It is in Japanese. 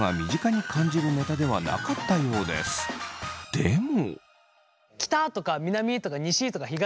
でも。